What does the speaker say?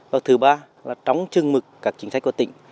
và thứ ba là tróng chưng mực các chính sách của tỉnh